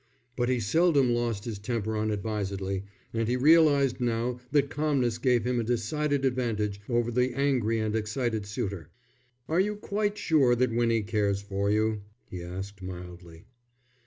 But he seldom lost his temper unadvisedly, and he realized now that calmness gave him a decided advantage over the angry and excited suitor. "Are you quite sure that Winnie cares for you?" he asked, mildly.